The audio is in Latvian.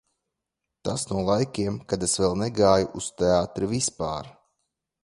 Tas no laikiem, kad es vēl negāju uz teātri vispār.